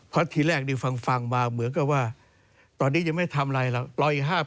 เพราะทีแรกนี่ฟังมาเหมือนกับว่าตอนนี้ยังไม่ทำอะไรหรอก